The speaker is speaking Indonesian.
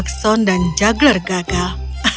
jackson dan juggler gagal